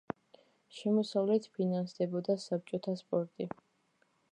შემოსავლით ფინანსდებოდა საბჭოთა სპორტი.